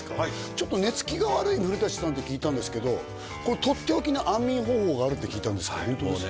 ちょっと寝つきが悪い古さんって聞いたんですけどがあるって聞いたんですけどホントですか？